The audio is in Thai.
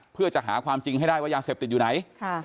เพื่อจะหาความจริงให้ได้ว่ายาเสพติดอยู่ไหน